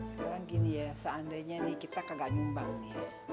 sekarang gini ya seandainya nih kita kagak nyumbang nih